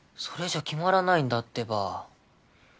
それじゃ決まらないんだってば。